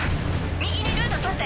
右にルート取って。